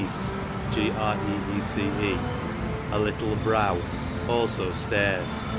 Greece, a little brow ; also stairs. Fr.